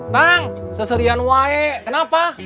tang seserian wae kenapa